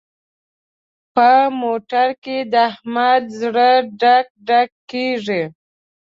په موټر کې د احمد زړه ډک ډک کېږي.